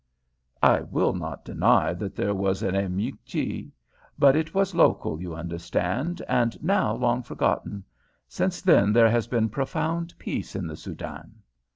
"I will not deny that there was an emeute, but it was local, you understand, and now long forgotten. Since then there has been profound peace in the Soudan."